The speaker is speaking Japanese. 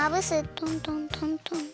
トントントントン。